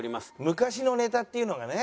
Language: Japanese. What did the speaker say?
昔のネタっていうのがね。